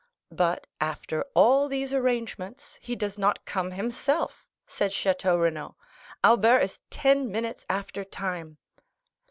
"But, after all these arrangements, he does not come himself," said Château Renaud. "Albert is ten minutes after time."